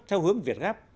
theo hướng việt gáp